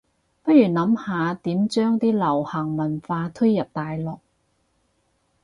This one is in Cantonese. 不如諗下點將啲流行文化推入大陸